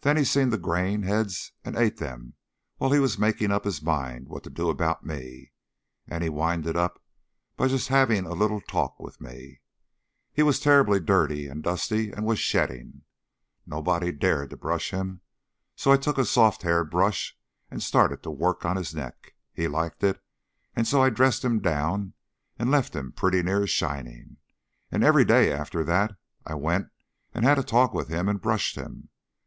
Then he seen the grain heads and ate them while he was making up his mind what to do about me. And he winded up by just having a little talk with me. He was terribly dirty and dusty, and he was shedding. Nobody dared to brush him, and so I took a soft haired brush and started to work on his neck. He liked it, and so I dressed him down and left him pretty near shining. And every day after that I went and had a talk with him and brushed him.